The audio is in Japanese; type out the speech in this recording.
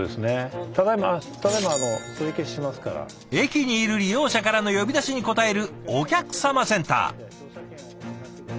駅にいる利用者からの呼び出しに応えるお客さまセンター。